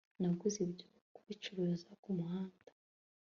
Naguze ibyo kubicuruza kumuhanda